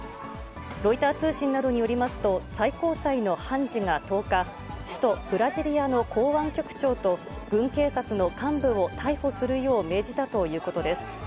ロイター通信などによりますと、最高裁の判事が１０日、首都ブラジリアの公安局長と軍警察の幹部を逮捕するよう命じたということです。